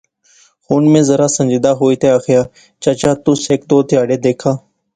ہن میں ذرا سنجیدہ ہوئی تہ آخیا، چچا۔۔۔ تس ہیک دو تہاڑے دیکھا